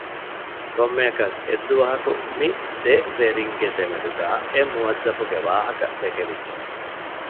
ކޮންމެއަކަސް އެއްދުވަހަކު މި ދެ ވެރިންގެ ދެމެދުގައި އެ މުވައްޒަފުގެ ވާހަކަ ދެކެވިއްޖެ